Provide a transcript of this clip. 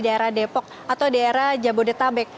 daerah depok atau daerah jabodetabek